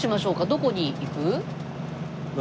どこに行く？